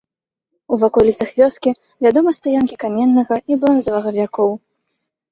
У ваколіцах вёскі вядомы стаянкі каменнага і бронзавага вякоў.